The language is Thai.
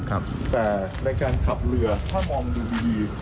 แต่ในการขับเรือถ้ามองดูดี